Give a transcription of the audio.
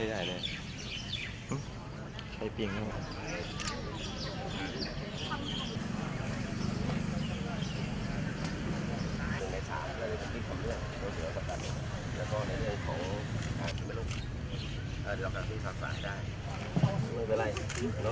สมมุติรัดภาษาต่อประจำที่รับเพลิงที่โดยสวัสดิ์